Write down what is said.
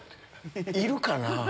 いるかなぁ。